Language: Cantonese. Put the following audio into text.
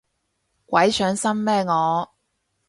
鬼上身咩我